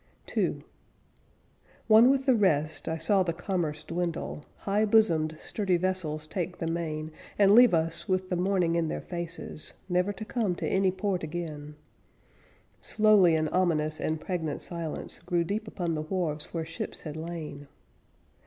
II One with the rest, I saw the commerce dwindle, High bosomed, sturdy vessels take the main And leave us, with the morning in their faces, Never to come to any port again. Slowly an ominous and pregnant silence Grew deep upon the wharves where ships had lain.